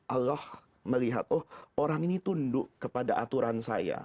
allah melihat oh orang ini tunduk kepada aturan saya